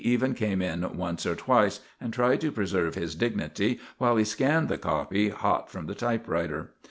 even came in once or twice and tried to preserve his dignity while he scanned the copy hot from the typewriter.